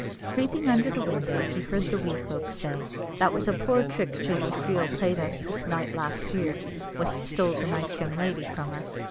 Creeping under the window, he heard the wee folk say, "That was a poor trick Jamie Freel played us this night last year, when he stole the nice young lady from us."